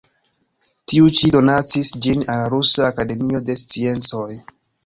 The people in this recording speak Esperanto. Tiu ĉi donacis ĝin al la Rusa Akademio de Sciencoj.